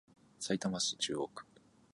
さいたま市中央区